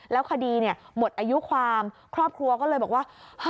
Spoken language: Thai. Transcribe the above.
แล้วคดีหมดอายุความครอบครัวก็เลยบอกว่า